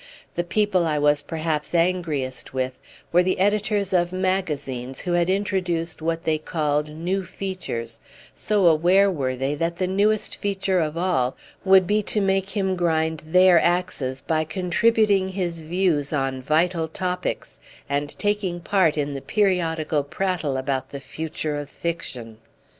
The people I was perhaps angriest with were the editors of magazines who had introduced what they called new features, so aware were they that the newest feature of all would be to make him grind their axes by contributing his views on vital topics and taking part in the periodical prattle about the future of fiction.